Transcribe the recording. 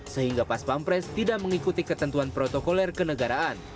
sehingga pas pampres tidak mengikuti ketentuan protokoler kenegaraan